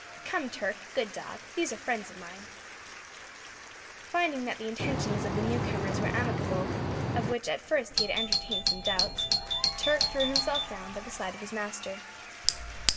"Come, Turk, good dog, these are friends of mine." Finding that the intentions of the new comers were amicable, of which at first he had entertained some doubts, Turk threw himself down by the side of his master.